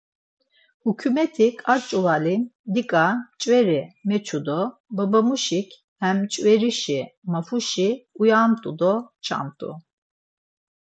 Huçumet̆ik a ç̌uvali mdiǩa mçveri meçu do babamuşik him mçverişi mafuşi uyamt̆u do çamt̆u.